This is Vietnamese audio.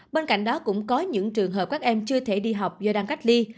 bên cạnh đó cũng có những trường hợp các em chưa thể đi học do đang cách ly